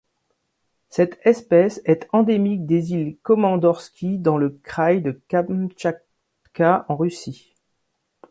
Cette espèce est endémique des îles Komandorski dans le kraï du Kamtchatka en Russie.